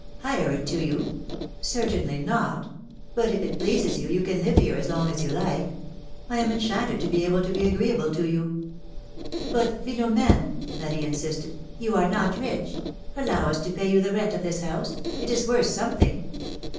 ^^ Hire it to you ? certainly not ; but if it pleases you, you can live here as long as you like. I am enchanted to be able to be agreeable to you.^^ ^^But, Philom^ne,'^ Marie insisted, ^^you are not rich: allow us to pay you the rent of this house ; it is worth something.